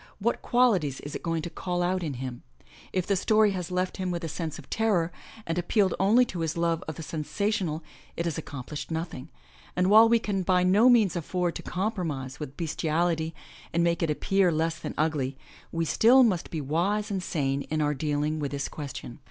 What qualities is it going to call out in him? If the story has left him with a sense of terror, and appealed only to his love of the sensational, it has accomplished nothing, and while we can by no means afford to compromise with bestiality and make it appear less than ugly, we still must be wise and sane in our dealing with this question.